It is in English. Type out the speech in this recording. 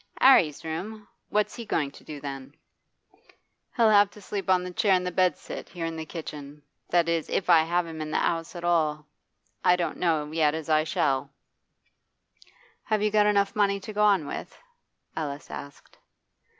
''Arry's room? What's he going to do then?' 'He'll have to sleep on the chair bedstead, here in the kitchen. That is, if I have him in the 'ouse at all. And I don't know yet as I shall.' 'Have you got enough money to go on with?' Alice asked.